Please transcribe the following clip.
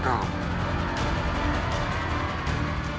kau tidak bisa menangku